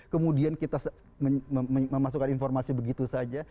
kemudian kita memasukkan informasi begitu saja